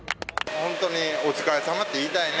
本当にお疲れさまって言いたいね。